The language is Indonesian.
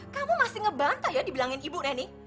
kamu masih ngebantah ya dibilangin ibu neni